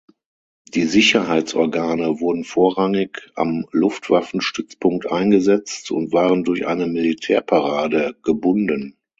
Die Sicherheitsorgane wurden vorrangig am Luftwaffenstützpunkt eingesetzt und waren durch eine Militärparade gebunden.